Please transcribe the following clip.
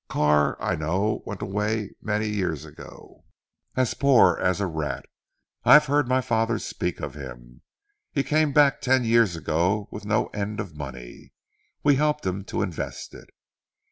Carr I know went away many years ago, as poor as a rat. I have heard my father speak of him. He came back ten years ago with no end of money. We helped him to invest it.